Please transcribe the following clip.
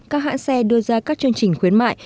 các hãng xe đưa ra các chương trình khuyến mại